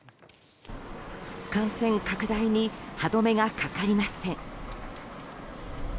感染拡大に歯止めがかかりません。